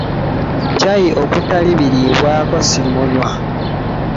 Caayi okutali biriibwako ssimunywa.